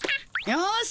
よし！